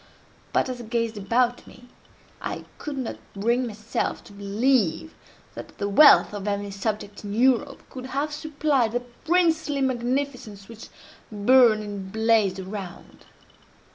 But as I gazed about me, I could not bring myself to believe that the wealth of any subject in Europe could have supplied the princely magnificence which burned and blazed around.